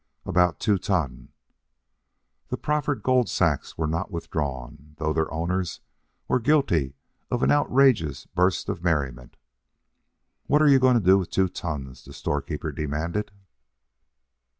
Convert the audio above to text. "About two ton." The proffered gold sacks were not withdrawn, though their owners were guilty of an outrageous burst of merriment. "What are you going to do with two tons?" the store keeper demanded.